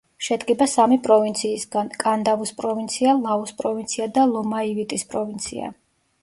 შედგება სამი პროვინციისგან: კანდავუს პროვინცია, ლაუს პროვინცია და ლომაივიტის პროვინცია.